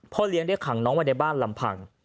เลี้ยงได้ขังน้องไว้ในบ้านลำพัง